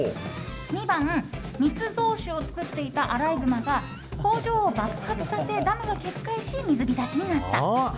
２番、密造酒を造っていたアライグマが工場を爆発させダムが決壊し水浸しになった。